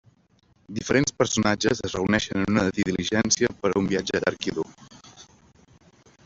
Diferents personatges es reuneixen en una diligència per a un viatge llarg i dur.